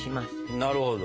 なるほど。